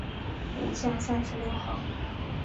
五巷三十六号